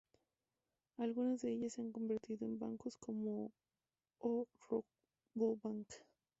Algunas de ellas se han convertido en bancos como o Rabobank.